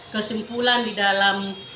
kesimpulan di dalam